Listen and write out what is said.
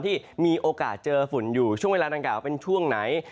ที่มีโอกาสเจอฝุ่นอยู่ช่วงเวลาดังกล่าวเป็นช่วงไหน